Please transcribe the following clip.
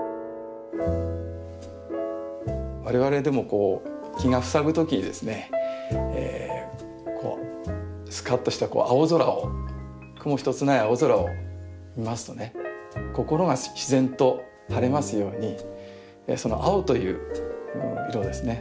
我々でも気がふさぐ時にですねスカッとした青空を雲一つない青空を見ますとね心が自然と晴れますようにその青という色ですね